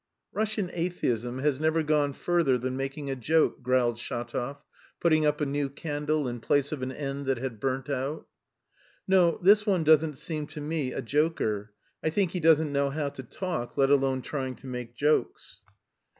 "Russian atheism has never gone further than making a joke," growled Shatov, putting up a new candle in place of an end that had burnt out. "No, this one doesn't seem to me a joker, I think he doesn't know how to talk, let alone trying to make jokes."